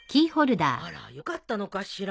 あらよかったのかしら。